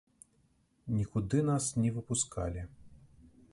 Нікуды нас не выпускалі.